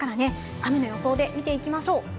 雨の予想で見ていきましょう。